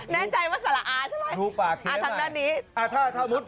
แน่ใจว่าสละอาใช่ไหม